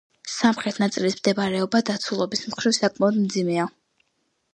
სამხრეთ ნაწილის მდგომარეობა, დაცულობის მხრივ, საკმაოდ მძიმეა.